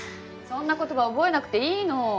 そんな言葉覚えなくていいの！